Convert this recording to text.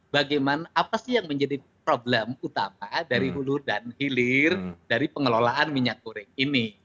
bagaimana apa sih yang menjadi problem utama dari hulu dan hilir dari pengelolaan minyak goreng ini